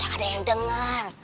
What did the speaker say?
gak ada yang dengar